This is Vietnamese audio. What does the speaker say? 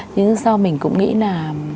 nhưng sau mình cũng nghĩ là